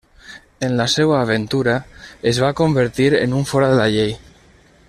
En la seua aventura, es va convertir en un fora de la llei.